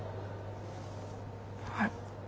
はい。